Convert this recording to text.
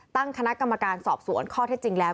ตั้งคณะกรรมการสอบสวนข้อเท็จจริงแล้ว